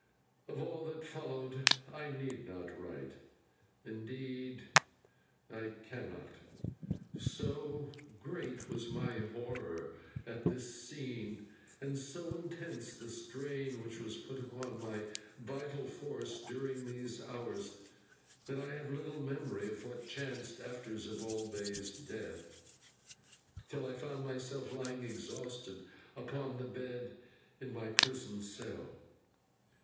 Of all that followed I need not write. Indeed, I cannot do so, for so great was my horror at this scene, and so intense the strain which was put upon my vital force during these hours, that I have little memory of what chanced after Zibalbay's death, till I found myself lying exhausted upon the bed in my prison cell.